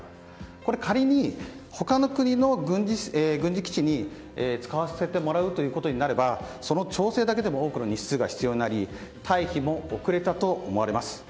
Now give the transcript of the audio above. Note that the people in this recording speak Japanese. これ、仮に他の国の軍事基地に使わせてもらうということになればその調整だけでも多くの日数が必要になり退避も遅れたと思われます。